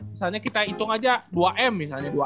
misalnya kita hitung aja dua m misalnya